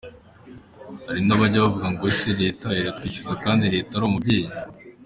Hari n’abajya bavuga ngo ese Leta iratwishyuza kandi leta ari umubyeyi?”.